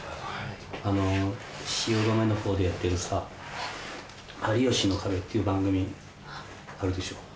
汐留のほうでやってるさ『有吉の壁』っていう番組あるでしょ？